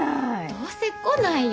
どうせ来ないよ！